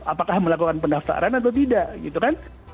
apakah melakukan pendaftaran atau tidak gitu kan